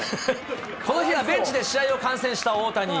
この日はベンチで試合を観戦した大谷。